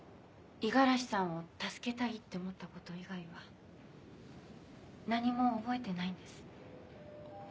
五十嵐さんを助けたいって思ったこと以外は何も覚えてないんです。